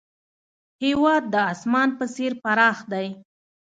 هېواد د اسمان په څېر پراخ دی.